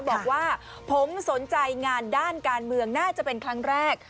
บอกว่าผมสนใจงานด้านการเมืองน่าจะเป็นครั้งแรก